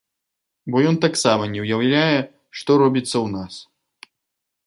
Бо ён таксама не ўяўляе, што робіцца ў нас.